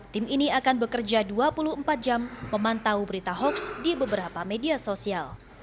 tim ini akan bekerja dua puluh empat jam memantau berita hoax di beberapa media sosial